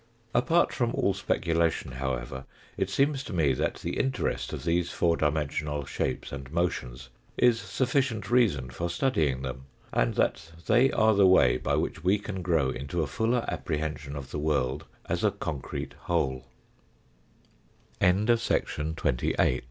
Apart from all speculation, however, it seems to me that the interest of these four dimensional shapes and motions is sufficient reason for studying them, and that they are the way by which we can grow into a fuller apprehension of the world as a concrete